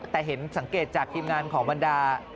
แต่เห็นสังเกตจากทีมงานของบรรดา